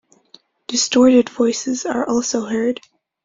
Distorted voices are also heard.